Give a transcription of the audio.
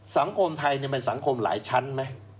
สังคมไทยเนี่ยเป็นสังคมหลายชั้นไหม